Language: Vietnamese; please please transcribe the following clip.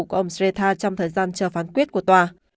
của ông sreta trong thời gian chờ phán quyết của tòa